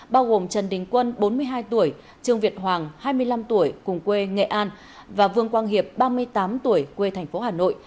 bao gồm trần đình quân bốn mươi hai tuổi trương việt hoàng hai mươi năm tuổi cùng quê nghệ an và vương quang hiệp ba mươi tám tuổi quê thành phố hà nội